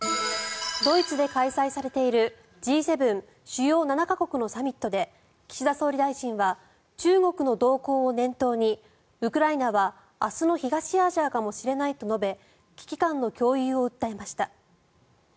・主要７か国のサミットで岸田総理大臣は中国の動向を念頭にウクライナは明日の東アジアかもしれないと述べ危機感の共有を訴えました。